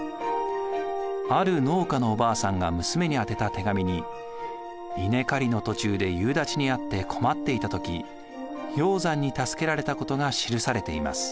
ある農家のおばあさんが娘に宛てた手紙に稲刈りの途中で夕立ちに遭って困っていた時鷹山に助けられたことが記されています。